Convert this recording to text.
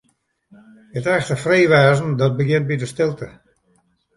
It echte frij wêzen, dat begjint by de stilte.